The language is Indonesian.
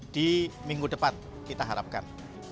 di minggu depan kita harapkan